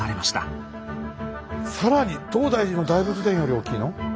更に東大寺の大仏殿より大きいの？